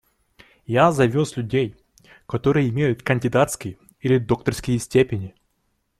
Я завез людей, которые имеют кандидатские или докторские степени.